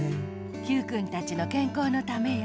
Ｑくんたちのけんこうのためよ。